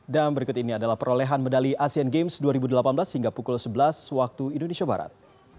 dan berikut ini adalah perolehan medali asean games dua ribu delapan belas hingga pukul sebelas waktu indonesia barat